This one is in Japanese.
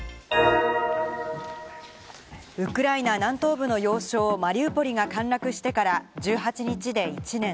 ウクライナ南東部の要衝・マリウポリが陥落してから１８日で１年。